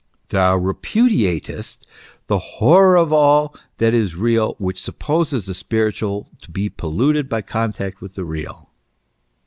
Thou repudiatest " the horror of all that is real, which supposes the spiritual to be polluted by contact with the real."